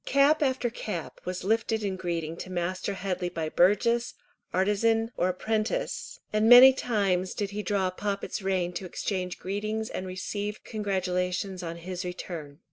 Cap after cap was lifted in greeting to Master Headley by burgess, artisan, or apprentice, and many times did he draw Poppet's rein to exchange greetings and receive congratulations on his return.